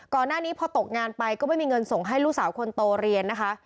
ก่อนหน้านี้พอตกงานไปก็ไม่มีเงินส่งให้ลูกสาวคนโตเรียนนะคะ